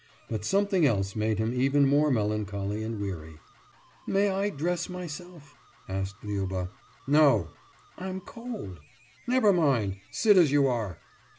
But something else made him even more melancholy and weary. »May I dress myself?« asked Liuba. »No!« »I'm cold.« »Never mind sit as you are!